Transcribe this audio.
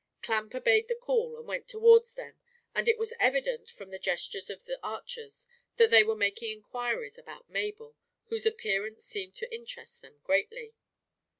Clamp obeyed the call and went towards them, and it was evident, from the gestures of the archers, that they were making inquiries about Mabel, whose appearance seemed to interest them greatly.